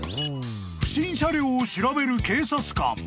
［不審車両を調べる警察官。